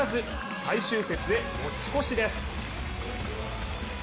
最終節へ持ち越しです。